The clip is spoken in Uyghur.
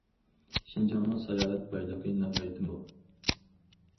شىنجاڭنىڭ ساياھەت بايلىقى ناھايىتى مول.